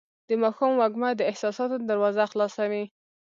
د ماښام وږمه د احساساتو دروازه خلاصوي.